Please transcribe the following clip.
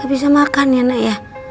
gak bisa makan ya nak ya